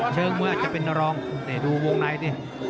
เชิงเมื่อจะเป็นร้องดูวงไหนเนี่ย